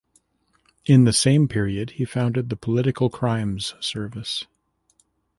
In the same period he founded the Political Crimes Service.